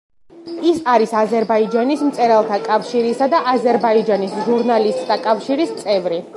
ის არის აზერბაიჯანის მწერალთა კავშირისა და აზერბაიჯანის ჟურნალისტთა კავშირის წევრი.